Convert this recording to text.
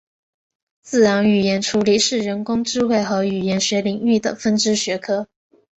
自然语言处理是人工智慧和语言学领域的分支学科。